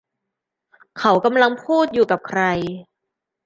เขากำลังพูดอยู่กับใคร